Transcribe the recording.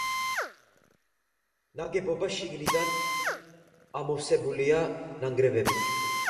ნაგებობა შიგნიდან ამოვსებულია ნანგრევებით.